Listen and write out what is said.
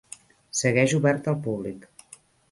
Segueix obert al públic.